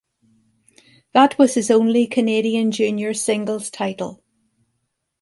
That was his only Canadian Junior singles title.